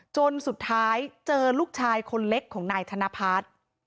จนสุดท้ายเจอลูกชายคนเล็กของนายธนพัฒน์